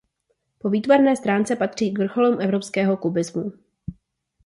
Po výtvarné stránce patří k vrcholům evropského kubismu.